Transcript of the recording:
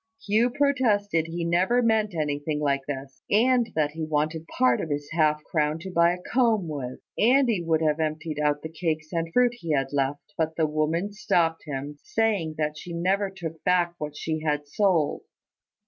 Hugh protested he never meant anything like this, and that he wanted part of his half crown to buy a comb with; and he would have emptied out the cakes and fruit he had left; but the woman stopped him, saying that she never took back what she had sold.